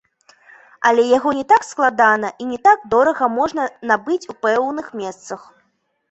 Але яго не так складана і не так дорага можна набыць у пэўных месцах.